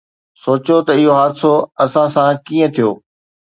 سوچيو ته اهو حادثو اسان سان ڪيئن ٿيو.